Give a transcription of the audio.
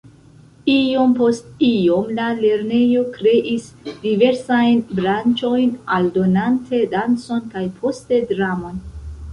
Iom post iom, la lernejo kreis diversajn branĉojn aldonante dancon kaj poste dramon.